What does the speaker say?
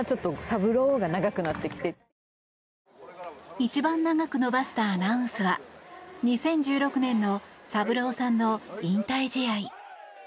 一番長く伸ばしたアナウンスは２０１６年のサブローさんの引退試合。